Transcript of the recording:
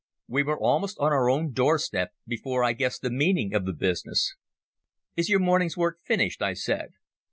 We were almost on our own doorstep before I guessed the meaning of the business. "Is your morning's work finished?" I said.